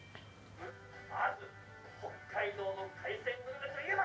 まず北海道の海鮮グルメといえば。